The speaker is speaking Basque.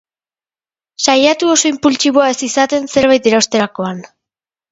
Saiatu oso inpultsiboa ez izaten zerbait erosterakoan.